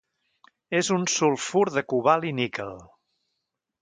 És un sulfur de cobalt i níquel.